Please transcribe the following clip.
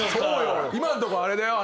今のとこあれだよ。